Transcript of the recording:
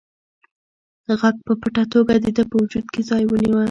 غږ په پټه توګه د ده په وجود کې ځای ونیوه.